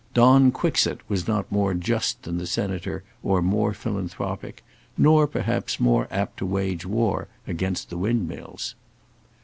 Don Quixote was not more just than the Senator, or more philanthropic, nor perhaps more apt to wage war against the windmills.